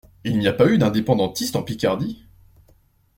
Il y a pas d’indépendantistes en Picardie?